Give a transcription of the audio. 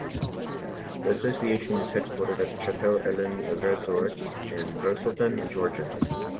The Association is headquartered at Chateau Elan Resort in Braselton, Georgia.